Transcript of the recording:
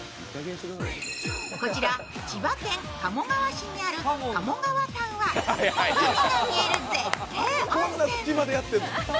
こちら千葉県鴨川市にある鴨川館は、海が見える絶景温泉。